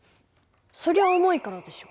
そりゃ重いからでしょ。